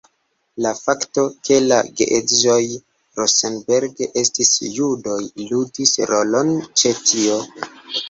La fakto ke la geedzoj Rosenberg estis judoj, ludis rolon ĉe tio.